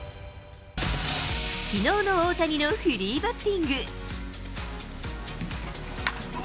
きのうの大谷のフリーバッティング。